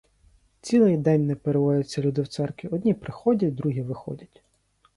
Цілий день не переводяться люди в церкві: одні приходять, другі виходять.